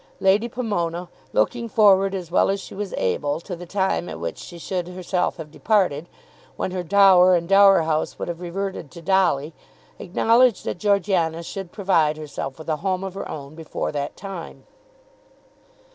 Lady Pomona, looking forward as well as she was able to the time at which she should herself have departed, when her dower and dower house would have reverted to Dolly, acknowledged that Georgiana should provide herself with a home of her own before that time.